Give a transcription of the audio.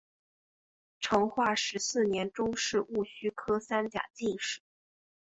成化十四年中式戊戌科三甲进士。